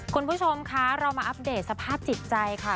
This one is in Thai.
คุณผู้ชมคะเรามาอัปเดตสภาพจิตใจค่ะ